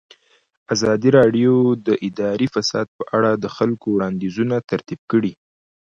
ازادي راډیو د اداري فساد په اړه د خلکو وړاندیزونه ترتیب کړي.